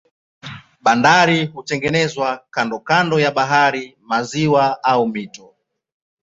Bandari hutengenezwa kando ya bahari, maziwa au mito.